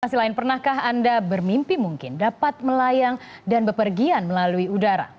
lokasi lain pernahkah anda bermimpi mungkin dapat melayang dan bepergian melalui udara